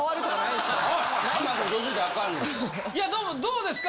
でもどうですか？